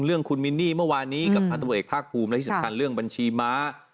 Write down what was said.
เรื่องคุณมินนี่เมื่อวานนี้กับพันธุเอกภาคภูมิและที่สำคัญเรื่องบัญชีม้า